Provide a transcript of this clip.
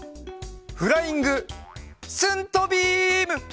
フライング・スントビーム！